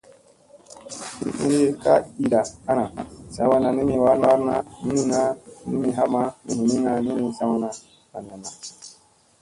Hingi ka iiɗa ana, saa wanna ni mi waarna ni niŋga ni mi hapma mi hiniŋga ni mi tlawna ɓanayanna.